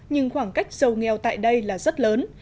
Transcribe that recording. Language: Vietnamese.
nhưng khoảng cách giàu nghèo tại đây là rất lớn